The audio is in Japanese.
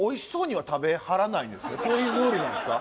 そういうルールなんですか？